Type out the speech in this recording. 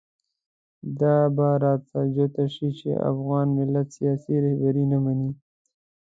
دا به راته جوته شي چې افغان ملت سیاسي رهبري نه مني.